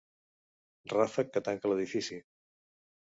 Ràfec que tanca l'edifici.